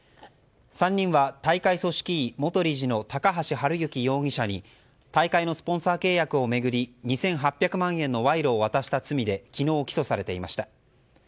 ３人は大会組織委元理事の高橋治之容疑者に大会のスポンサー契約を巡り２８００万円のわいろを渡した罪で昨日、起訴されていました。